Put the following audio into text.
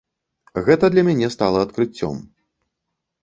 Гэта для мяне стала адкрыццём.